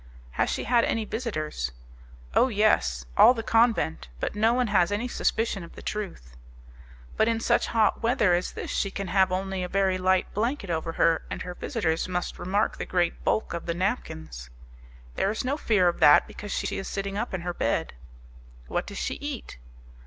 "Has she had any visitors?" "Oh, yes! all the convent; but no one has any suspicion of the truth." "But in such hot weather as this she can have only a very light blanket over her, and her visitors must remark the great bulk of the napkins." "There is no fear of that, because she is sitting up in her bed." "What does she eat?"